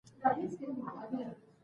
تاريخي شخصيتونه کله کله بيخي جعلي وي.